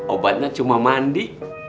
obatnya cuma mandi